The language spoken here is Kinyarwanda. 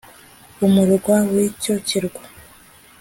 umurwa w icyo kirwa